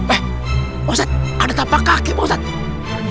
eh ustadz ada telapak kaki pak ustadz